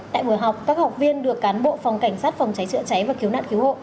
tại buổi học các học viên được cán bộ phòng cảnh sát phòng cháy chữa cháy và cứu nạn cứu hộ